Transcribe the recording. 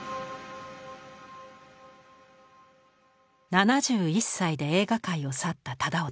７１歳で映画界を去った楠音。